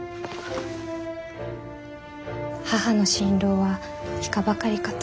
母の心労はいかばかりかと。